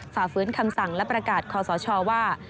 ฝ่าฟื้นคำสั่งและประกาศคอสชว่า